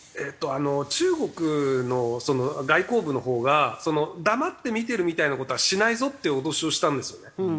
あの中国の外交部のほうが黙って見てるみたいな事はしないぞって脅しをしたんですよね。